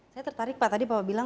saya tertarik pak tadi bapak bilang